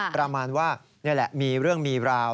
ประมาณว่านี่แหละมีเรื่องมีราว